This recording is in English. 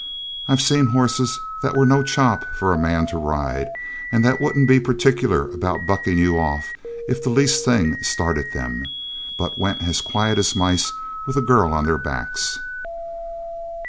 I've seen horses that were no chop for a man to ride, and that wouldn't be particular about bucking you off if the least thing started them, but went as quiet as mice with a girl on their backs.